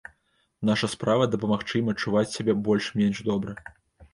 Наша справа, дапамагчы ім адчуваць сябе больш-менш добра.